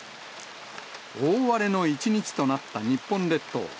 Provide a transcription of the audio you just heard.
大荒れの一日となった日本列島。